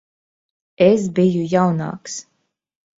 Es biju jaunāks.